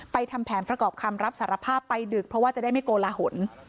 ทำแผนประกอบคำรับสารภาพไปดึกเพราะว่าจะได้ไม่โกลาหล